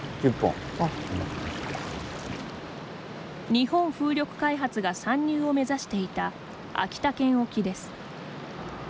日本風力開発が参入を目指していた秋田県沖です。